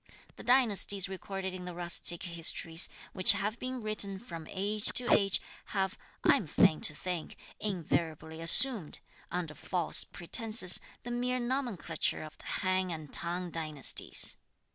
The dynasties recorded in the rustic histories, which have been written from age to age, have, I am fain to think, invariably assumed, under false pretences, the mere nomenclature of the Han and T'ang dynasties.